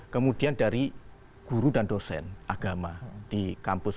kemudian dari guru dan dosen agama di kampus